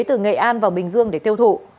từ nghệ an vào bình dương để tiêu thụ